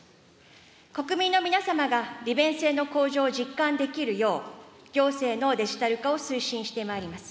国民の皆様が利便性の向上を実感できるよう、行政のデジタル化を推進してまいります。